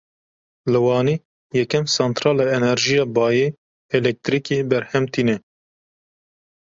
Li Wanê yekem santrala enerjiya bayê, elektrîkê berhem tîne.